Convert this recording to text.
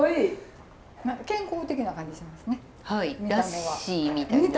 健康的な感じしますね見た目は。